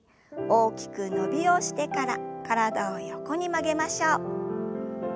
大きく伸びをしてから体を横に曲げましょう。